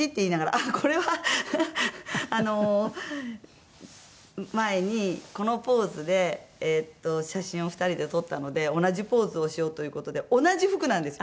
あっこれはあの前にこのポーズで写真を２人で撮ったので同じポーズをしようという事で同じ服なんですよ